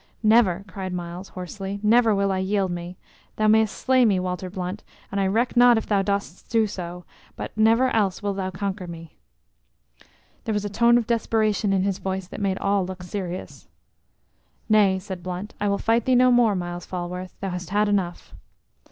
"Never!" cried Myles, hoarsely "never will I yield me! Thou mayst slay me, Walter Blunt, and I reck not if thou dost do so, but never else wilt thou conquer me." There was a tone of desperation in his voice that made all look serious. "Nay," said Blunt; "I will fight thee no more, Myles Falworth; thou hast had enough."